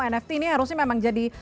nft ini harusnya memang jadi